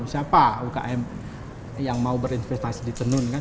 siapa ukm yang mau berinvestasi di tenun kan